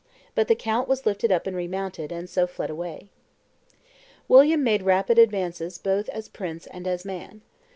But the count was lifted up and remounted, and so fled away." William made rapid advances both as prince and as man.